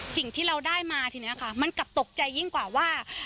สิ่งที่เราได้มาทีนี้ค่ะมันกลับตกใจยิ่งกว่าว่า